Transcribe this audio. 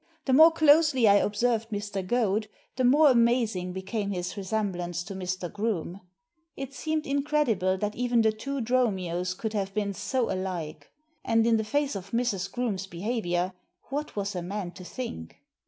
The more closely I observed Mr. Goad the more amazing became his resemblance to Mr. Groome. It seemed incredible that even the two Dromios could have been so alike; and in the face of Mrs. Groome's behaviour, what was a man to think?